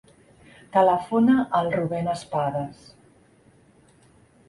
Telefona al Rubèn Espadas.